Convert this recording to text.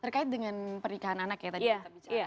terkait dengan pernikahan anak ya tadi kita bicara